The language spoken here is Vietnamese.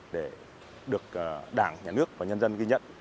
để được đảng nhà nước và nhân dân ghi nhận